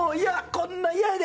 こんなん嫌やで！